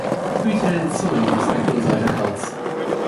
Hüte deine Zunge, du respektloser alter Kauz!